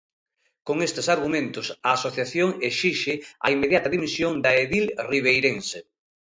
Con estes argumentos, a asociación exixe a inmediata dimisión da edil ribeirense.